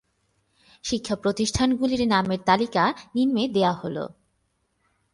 শিক্ষা প্রতিষ্ঠানগুলির নামের তালিকা নিম্নে দেওয়া হলো।